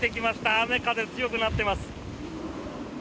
雨風、強くなっています。